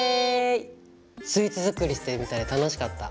スイーツ作りしてるみたいで楽しかった。